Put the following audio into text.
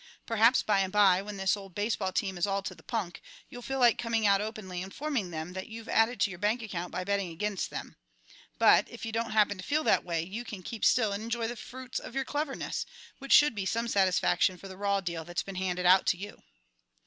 Perhaps by and by, when this old baseball team is all to the punk, you'll feel like coming out openly and informing them that you've added to your bank account by betting against them; but, if you don't happen to feel that way, you can keep still and enjoy the fruits of your cleverness which should be some satisfaction for the raw deal that's been handed out to you."